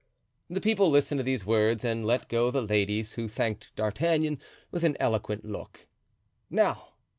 The people listened to these words and let go the ladies, who thanked D'Artagnan with an eloquent look. "Now!